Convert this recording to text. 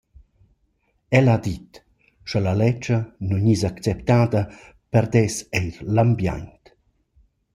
El ha dit: «Scha la ledscha nu gniss acceptada perdess eir l’ambiaint.